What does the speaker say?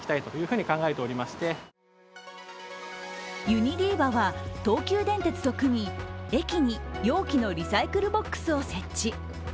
ユニリーバは東急電鉄と組み駅に容器のリサイクルボックスを設置。